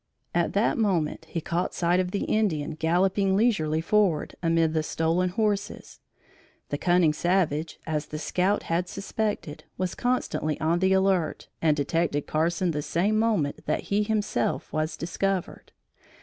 At that moment, he caught sight of the Indian galloping leisurely forward, amid the stolen horses. The cunning savage, as the scout had suspected, was constantly on the alert, and detected Carson the same moment that he himself was discovered.